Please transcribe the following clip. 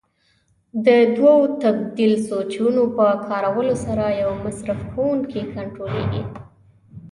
د دوو تبدیل سویچونو په کارولو سره یو مصرف کوونکی کنټرولېږي.